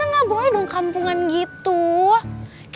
gue cabut ya